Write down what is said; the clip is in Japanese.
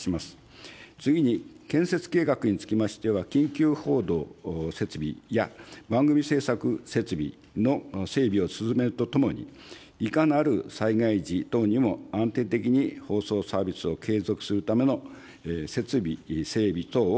次に、建設計画につきましては、緊急報道設備や番組制作設備の整備を進めるとともに、いかなる災害時等にも安定的に放送・サービスを継続するための設備整備等を実施いたします。